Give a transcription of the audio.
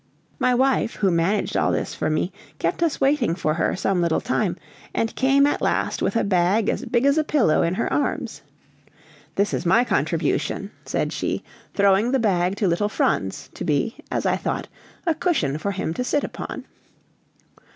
My wife, who managed all this for me, kept us waiting for her some little time, and came at last with a bag as big as a pillow in her arms. "This is my contribution," said she, throwing the bag to little Franz, to be, as I thought, a cushion for him to sit upon.